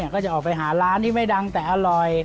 ก็จะออกไปหาร้านที่ไม่ดังแต่อร่อย